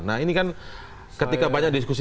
nah ini kan ketika banyak diskusi